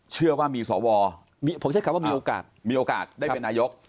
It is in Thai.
เชื่อว่ามีสอวรมีโอกาสได้เป็นนายก